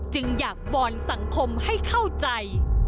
จึงอยากวอนสังคมให้เข้าใจ